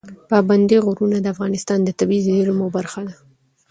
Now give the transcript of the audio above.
پابندی غرونه د افغانستان د طبیعي زیرمو برخه ده.